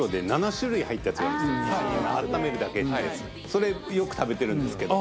修よく食べてるんですけど。